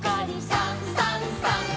「さんさんさん」